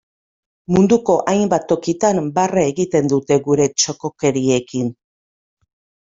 Munduko hainbat tokitan, barre egiten dute gure txokokeriekin.